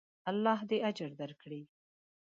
الله دې اجر درکړي.